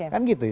kan gitu ya